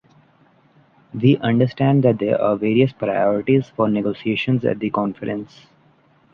We understand that there are various priorities for negotiations at the Conference.